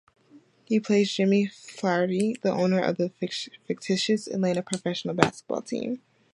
He plays Jimmy Flaherty, the owner of a fictitious Atlanta professional basketball team.